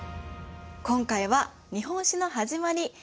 今回は日本史の始まり。